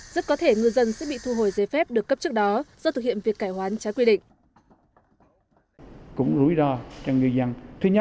rất có thể ngư dân sẽ bị thu hồi giấy phép được cấp trước đó do thực hiện việc cải hoán trái quy định